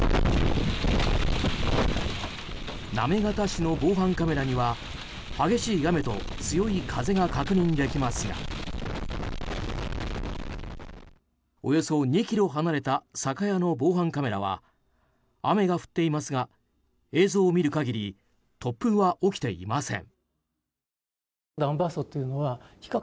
行方市の防犯カメラには激しい雨と強い風が確認できますがおよそ２ｋｍ離れた酒屋の防犯カメラには雨が降っていますが映像を見る限り突風は起きていません。